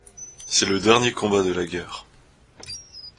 C'est le dernier combat de la guerre.